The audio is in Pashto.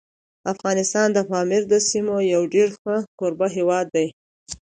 افغانستان د پامیر د سیمو یو ډېر ښه کوربه هیواد دی.